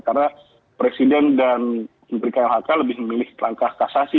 karena presiden dan mpk lhk lebih memilih langkah kasasi